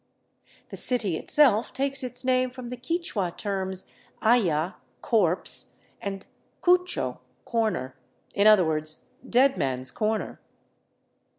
The city itself takes its name from the Quichua terms aya (corpse), and ccucho (corner), in other words, ''Dead Man's Corner."